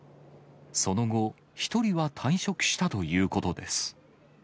その後、１人は退職したということです。